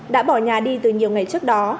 đã bỏ nhà đi từ nhiều ngày trước đó